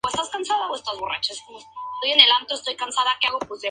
Uno de los autores más representativos de esta corriente es Kenneth Waltz.